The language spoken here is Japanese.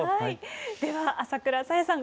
では朝倉さやさん